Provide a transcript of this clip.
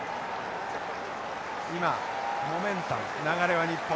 今モメンタム流れは日本。